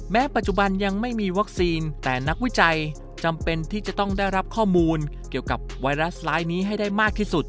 ปัจจุบันยังไม่มีวัคซีนแต่นักวิจัยจำเป็นที่จะต้องได้รับข้อมูลเกี่ยวกับไวรัสร้ายนี้ให้ได้มากที่สุด